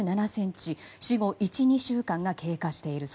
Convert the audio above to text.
死後１２週間が経過している。